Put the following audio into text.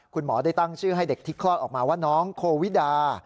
คุณหมอได้ตั้งชื่อให้เด็กที่คลอดออกมาว่าน้องโควิดา